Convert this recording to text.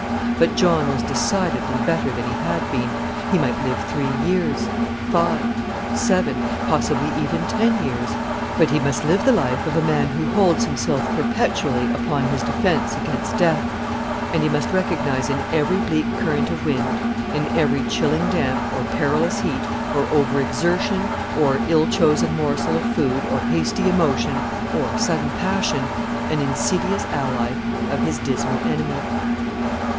But John was decidedly better than he had been. He might live three years, five, seven, possibly even ten years; but he must live the life of a man who holds himself perpetually upon his defence against death; and he must recognise in every bleak current of wind, in every chilling damp, or perilous heat, or over exertion, or ill chosen morsel of food, or hasty emotion, or sudden passion, an insidious ally of his dismal enemy.